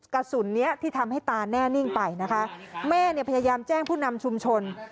กระสุนนี้ที่ทำให้ตาแน่นิ่งไปนะคะแม่เนี่ยพยายามแจ้งผู้นำชุมชน